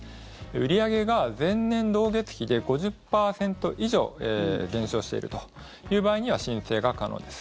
売り上げが前年同月比で５０％以上減少しているという場合には申請が可能です。